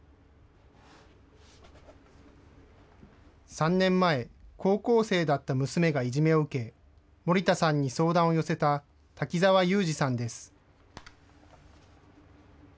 ３年前、高校生だった娘がいじめを受け、森田さんに相談を寄せた瀧澤祐二さんです。